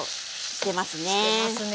してますね。